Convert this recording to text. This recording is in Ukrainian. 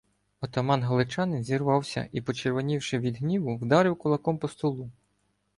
Отаман-галичанин зірвався і, почервонівши від гніву, вдарив кулаком по столу.